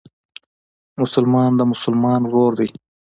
مسلمان د مسلمان ورور دئ.